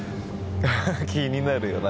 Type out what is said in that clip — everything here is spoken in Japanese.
気になるよな